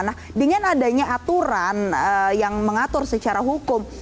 nah dengan adanya aturan yang mengatur secara hukum